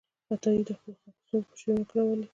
عطايي د خپلو خلکو ستونزې په شعرونو کې راواړولې.